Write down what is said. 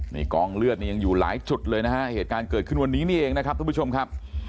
นี่กองเลือดนี่ยังอยู่หลายจุดเลยนะฮะเหตุการณ์เกิดขึ้นวันนี้นี่เองนะครับทุกผู้ชมครับ